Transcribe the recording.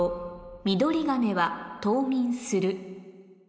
「ミドリガメは冬眠する」